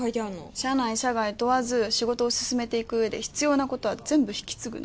社内社外問わず仕事を進めていくうえで必要なことは全部引き継ぐの。